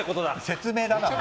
説明だな。